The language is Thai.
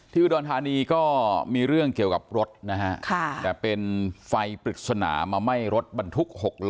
อุดรธานีก็มีเรื่องเกี่ยวกับรถนะฮะแต่เป็นไฟปริศนามาไหม้รถบรรทุก๖ล้อ